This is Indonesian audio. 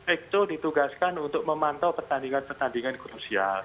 ekco ditugaskan untuk memantau pertandingan pertandingan krusial